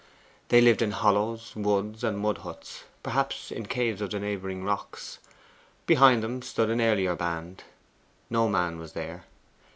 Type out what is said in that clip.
They lived in hollows, woods, and mud huts perhaps in caves of the neighbouring rocks. Behind them stood an earlier band. No man was there.